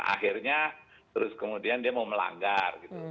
akhirnya terus kemudian dia mau melanggar